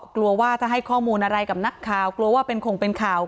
กลัวว่าจะให้ข้อมูลอะไรกับนักข่าวกลัวว่าเป็นคงเป็นข่าว